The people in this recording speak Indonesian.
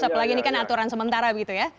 apalagi ini kan aturan sementara begitu ya